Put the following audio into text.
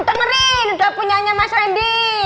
tangeri udah punya aja mas reddy